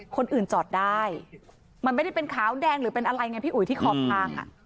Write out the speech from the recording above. คนอื่นจอดได้มันไม่ได้เป็นขาวแดงหรือเป็นอะไรไงพี่อุ๋ยที่ขอบทาง